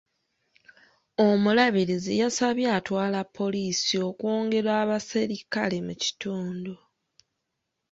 Omulabirizi yasabye atwala poliisi okwongera abaserikale mu kitundu.